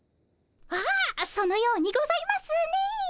ああそのようにございますね。